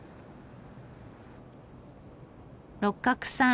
六角さん